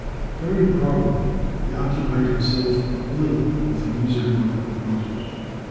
Very properly, he occupied himself but little with the music of other composers.